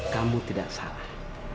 kamu tidak salah